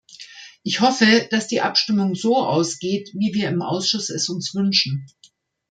Ich hoffe, dass die Abstimmung so ausgeht, wie wir im Ausschuss es uns wünschen.